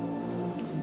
ya ma aku ngerti